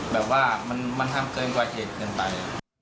แบบว่ามันทำเกินกว่าเหตุเกินไป